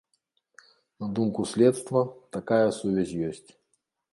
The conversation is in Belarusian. На думку следства, такая сувязь ёсць.